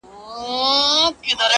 او ستا پر قبر به_